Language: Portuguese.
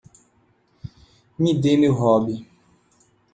Me dê meu robe!